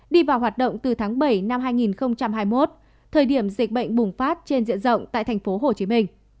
đi vào hoạt động từ tháng bảy năm hai nghìn hai mươi một thời điểm dịch bệnh bùng phát trên diện rộng tại tp hcm